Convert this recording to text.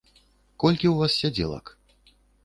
Колькі ў вас сядзелак?